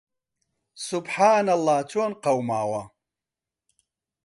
سوبحانەڵڵا چۆن قەوماوە!